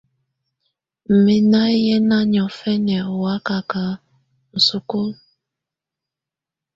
Mɛ̀ nà yɛna niɔ̀fɛna ɔ́ wakaka idukulu.